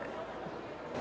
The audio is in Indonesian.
kasih ya mbak